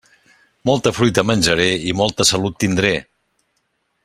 Molta fruita menjaré i molta salut tindré.